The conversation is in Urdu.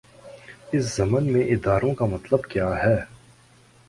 اس ضمن میں اداروں کا مطلب کیا ہے؟